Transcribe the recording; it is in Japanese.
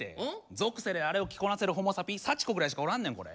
俗世であれを着こなせるホモサピ幸子ぐらいしかおらんねんこれ。